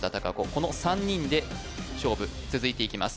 この３人で勝負続いていきます